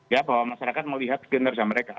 ya bahwa masyarakat melihat kinerja mereka